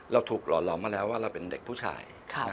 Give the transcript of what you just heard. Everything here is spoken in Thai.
เราถูกหล่อมาแล้วว่าเราเป็นเด็กผู้ชาย